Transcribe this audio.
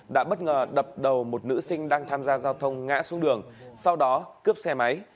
đã bất ngờ đập đầu một nữ sinh đang tham gia giao thông ngã xuống đường sau đó cướp xe máy